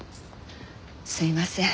すいません。